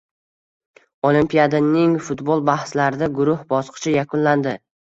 Olimpiadaning futbol bahslarida guruh bosqichi yakunlandi